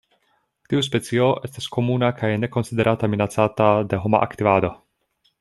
Tiu specio estas komuna kaj ne konsiderata minacata de homa aktivado.